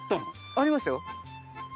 ありましたよ。